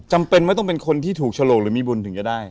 จำเป็นไม่ต้องเป็นคนที่ถูกฉลกหรือมีบุญถึงจะได้